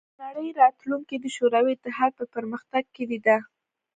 د نړۍ راتلونکې د شوروي اتحاد په پرمختګ کې لیده